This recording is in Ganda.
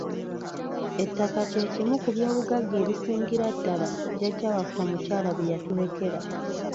Ettaka kye kimu ku by'obugagga ebisingira ddala jjajja waffe omukyala bye yatulekera.